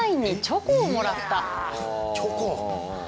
チョコ？